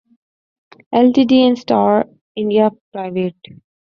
Ltd and Star India Pvt.